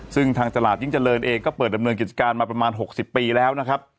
ซึ่งทางตลาดยิ่งเจริญเองก็เปิดดำเนินกิจการมาประมาณ๖๐ปีแล้วนะครับ